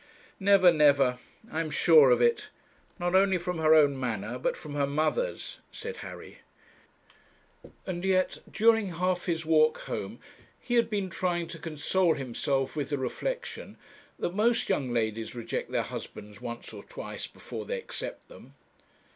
'Never never; I am sure of it. Not only from her own manner, but from her mother's,' said Harry. And yet, during half his walk home, he had been trying to console himself with the reflection that most young ladies reject their husbands once or twice before they accept them.